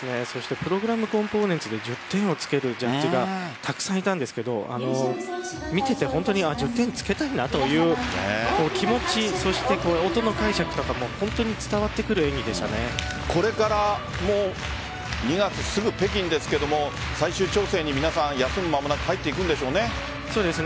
プログラムコンポーネンツで１０点をつけるジャッジがたくさんいたんですが見ていて、１０点つけたいなという気持ち、音の解釈とかもこれから２月、すぐ北京ですが最終調整に皆さん休む間もなく入るんですよね。